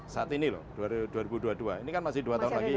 saat ini loh dua ribu dua puluh dua ini kan masih dua tahun lagi